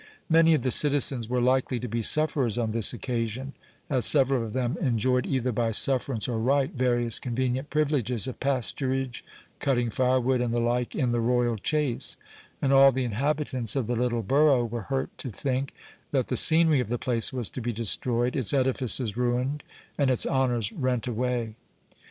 Many of the citizens were likely to be sufferers on this occasion, as several of them enjoyed, either by sufferance or right, various convenient privileges of pasturage, cutting firewood, and the like, in the royal chase; and all the inhabitants of the little borough were hurt to think, that the scenery of the place was to be destroyed, its edifices ruined, and its honours rent away.